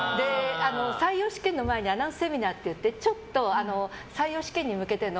採用試験の前にアナウンスセミナーっていってちょっと採用試験に向けての